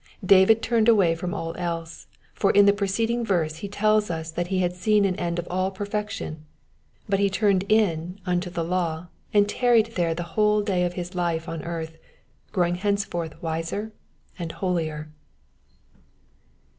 David turned away from all else ; for in the preceding verse he telU us that he had seen an end of all per fection ; but ho turned in unto the law and tarried there the whole day of his life on earth, growing henceforth wiser and holier.